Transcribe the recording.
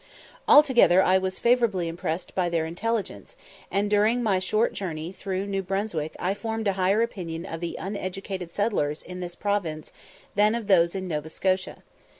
Altogether I was favourably impressed by their intelligence, and during my short journey through New Brunswick I formed a higher opinion of the uneducated settlers in this province than of those in Nova Scotia.